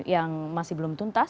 yang masih belum tuntas